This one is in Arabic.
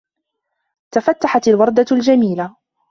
تَفَتَِّحَتْ الْوَرْدَةُ الْجَمِيلَةُ.